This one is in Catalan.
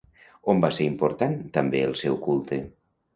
On va ser important també el seu culte?